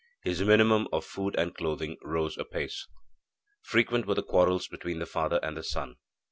His minimum of food and clothing rose apace. Frequent were the quarrels between the father and the son.